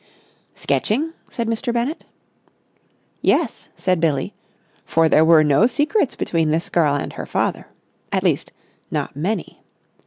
"Sketching?" said Mr. Bennett. "Yes," said Billie, for there were no secrets between this girl and her father. At least, not many.